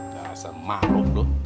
nggak semak lo